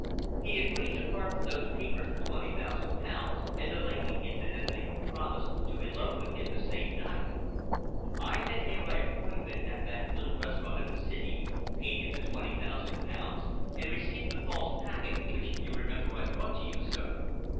He agreed to part with the papers for twenty thousand pounds, and the lady incidentally promised to elope with him the same night. I met him by appointment at that little restaurant in the city, paid him the twenty thousand pounds, and received the false packet which you remember I brought to you, sir.